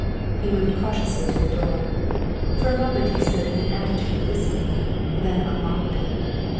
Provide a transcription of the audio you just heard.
He moved cautiously to the door. For a moment he stood in an attitude of listening, then unlocked it.